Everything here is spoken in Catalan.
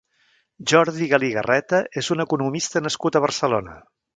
Jordi Galí Garreta és un economista nascut a Barcelona.